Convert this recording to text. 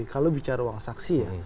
kalau bicara uang saksi ya